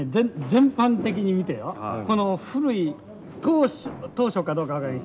全般的に見てよこの古い当初かどうか分からない